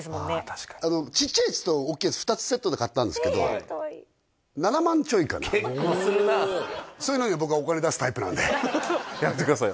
確かにちっちゃいやつとおっきいやつ２つセットで買ったんですけど結構するなあおおそういうのに僕はお金出すタイプなんでやめてください